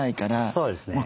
そうですね。